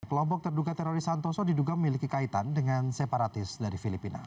kelompok terduga teroris santoso diduga memiliki kaitan dengan separatis dari filipina